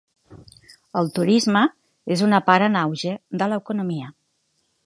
El turisme és una part en auge de l'economia.